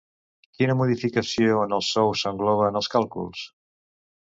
Quina modificació en els sous s'engloba en els càlculs?